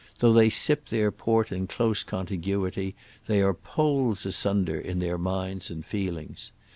Though they sip their port in close contiguity, they are poles asunder in their minds and feelings.